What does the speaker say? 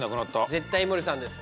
絶対井森さんです。